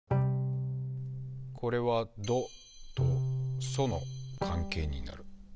これは「ド」と「ソ」の関係になる。